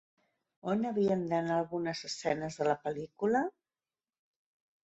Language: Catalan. On havien d'anar algunes escenes de la pel·lícula?